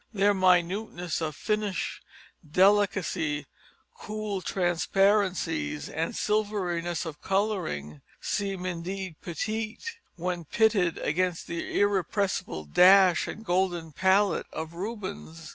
Their minuteness of finish, delicacy, cool transparencies and silveriness of colouring seem indeed petit when pitted against the irrepressible dash and golden palette of Rubens.